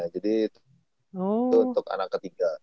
jadi itu untuk anak ketiga